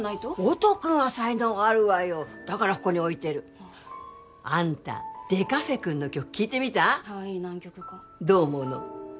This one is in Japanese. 音くんは才能があるわよだからここに置いてるあんたデカフェくんの曲聴いてみた？はいい何曲かどう思うの？